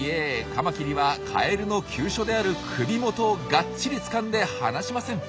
カマキリはカエルの急所である首元をがっちりつかんで離しません。